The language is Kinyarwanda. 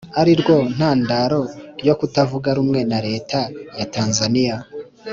ari rwo ntandaro yo kutavuga rumwe na leta ya tanzaniya